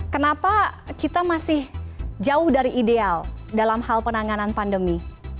kenapa kita masih jauh dari ideal dalam hal penanganan pandemi